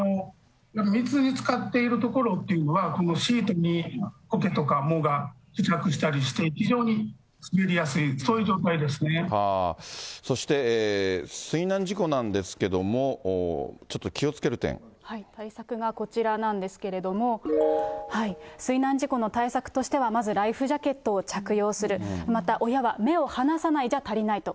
水につかっている所っていうのは、シートに苔とか藻が付着したりして、非常に滑りやすい、そういうそして、水難事故なんですけ対策がこちらなんですけれども、水難事故の対策としては、まずライフジャケットを着用する、また親は目を離さないじゃ足りないと。